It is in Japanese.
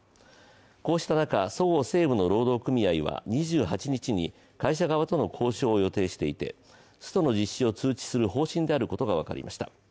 こうした中そごう・西武の労働組合は２８日に会社側との交渉を予定していてストの実施を通知する方針であることが分かりました。